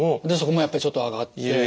でそこもやっぱりちょっと上がって。